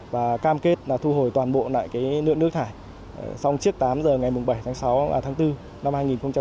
và cam kết thu hồi toàn bộ lại nước thải xong trước tám giờ ngày bảy tháng bốn năm hai nghìn một mươi tám